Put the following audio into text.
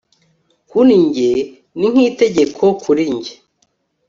kurijye ni nkitegeko kurijye